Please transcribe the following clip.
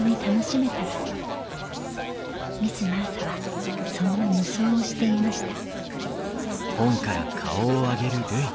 ミス・マーサはそんな夢想をしていました」。